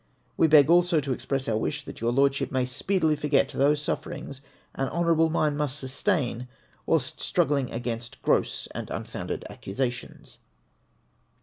We beg also to express our wish that your Lordship may speedily forget those sufferings an honourable mind must sustain whilst struggling against gross and unfounded accusa tions.